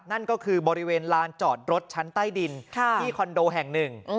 นั่นก็คือบริเวณลานจอดรถชั้นใต้ดินที่คอนโดแห่งหนึ่ง